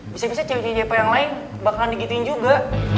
bisa bisa cewek cewek yang lain bakalan digituin juga